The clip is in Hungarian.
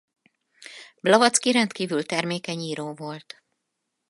Blavatsky rendkívül termékeny író volt.